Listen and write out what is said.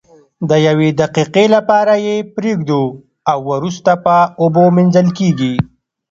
د یوې دقیقې لپاره یې پریږدو او وروسته په اوبو مینځل کیږي.